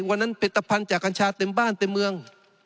วันนั้นผลิตภัณฑ์จากกัญชาเต็มบ้านเต็มเมือง